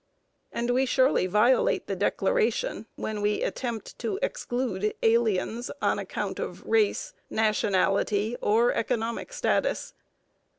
And we surely violate the Declaration when we attempt to exclude aliens on account of race, nationality, or economic status.